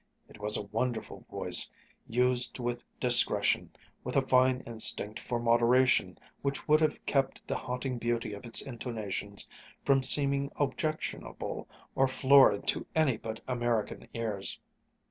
It was a wonderful voice, used with discretion, with a fine instinct for moderation which would have kept the haunting beauty of its intonations from seeming objectionable or florid to any but American ears.